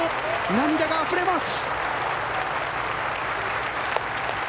涙があふれます。